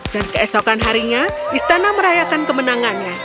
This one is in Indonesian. dan keesokan harinya istana merayakan kemenangannya